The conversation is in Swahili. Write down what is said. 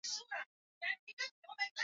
Abiria waliabiri gari.